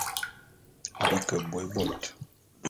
Bi ke bôé bôt.